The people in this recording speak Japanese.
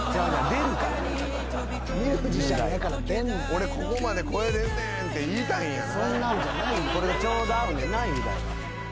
俺ここまで声出んねん！って言いたいんやな。